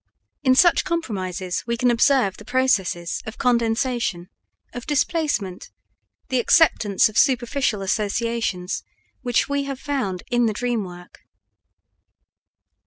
In such compromises we can observe the processes of condensation, of displacement, the acceptance of superficial associations, which we have found in the dream work.